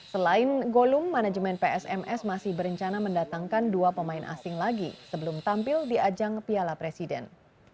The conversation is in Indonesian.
selain golum manajemen psms masih berencana mendatangkan dua pemain asing lagi sebelum tampil di ajang piala presiden